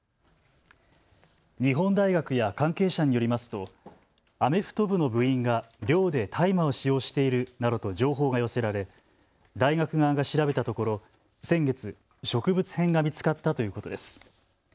日本大学や関係者によりますとアメフト部の部員が寮で大麻を使用しているなどと情報が寄せられ大学側が調べたところ、先月、植物片が見つかったということです。